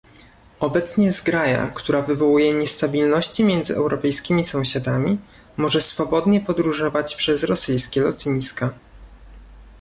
Obecnie zgraja, która wywołuje niestabilności między europejskimi sąsiadami, może swobodnie podróżować przez rosyjskie lotniska